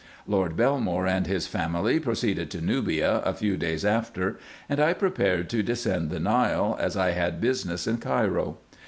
Lord Belmore and his family pro ceeded to Nubia a few days after ; and I prepared to descend the Nile, as I had business in Cairo.